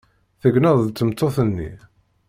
Tegneḍ d tmeṭṭut-nni?